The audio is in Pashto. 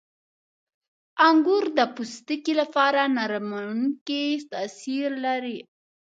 • انګور د پوستکي لپاره نرمونکی تاثیر لري.